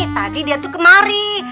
tadi dia tuh kemari